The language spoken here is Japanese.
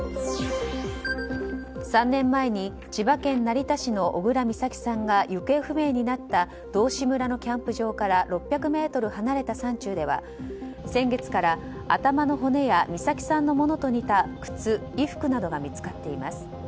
３年前に千葉県成田市の小倉美咲さんが行方不明になった道志村のキャンプ場から６００ｍ離れた山中では先月から頭の骨や美咲さんのものと似た靴、衣服などが見つかっています。